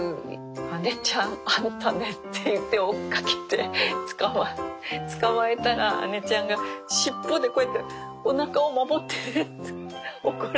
アネちゃんあんたね！って言って追っかけて捕まえたらアネちゃんが尻尾でこうやっておなかを守ってるんです。